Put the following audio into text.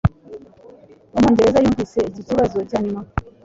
Umwongereza yumvise iki kibazo cyanyuma